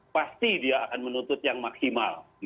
pasti dia akan menuntut yang maksimal